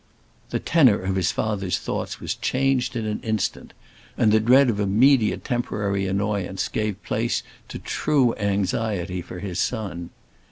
The tenor of his father's thoughts was changed in an instant; and the dread of immediate temporary annoyance gave place to true anxiety for his son.